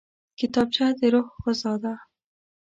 کتابچه د روح غذا ده